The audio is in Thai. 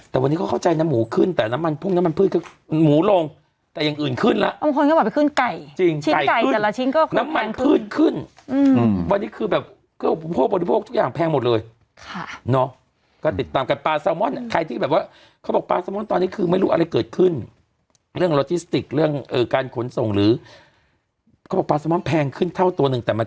แต่วันนี้เขาเข้าใจน้ำหมูขึ้นแต่น้ำมันพวกน้ำมันพืชก็หมูลงแต่ยังอื่นขึ้นแล้วบางคนก็บอกไปขึ้นไก่จริงชิ้นไก่แต่ละชิ้นก็ขึ้นแพงขึ้นน้ำมันพืชขึ้นอืมวันนี้คือแบบก็พวกบริโภคทุกอย่างแพงหมดเลยค่ะเนอะก็ติดตามกันปลาซาวมอนด์ใครที่แบบว่าเขาบอกปลาซาวมอนด์ตอนนี้คือไม